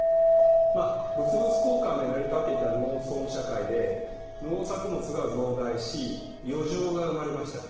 まあ物々交換で成り立っていた農村社会で農作物が増大し余剰が生まれました。